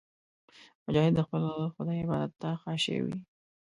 مجاهد د خپل خدای عبادت ته خاشع وي.